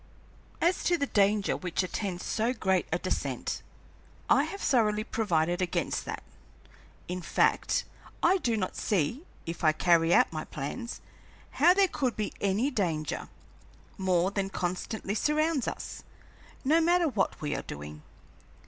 "As to the danger which attends so great a descent, I have thoroughly provided against that. In fact, I do not see, if I carry out my plans, how there could be any danger, more than constantly surrounds us, no matter what we are doing.